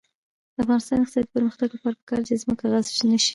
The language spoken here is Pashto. د افغانستان د اقتصادي پرمختګ لپاره پکار ده چې ځمکه غصب نشي.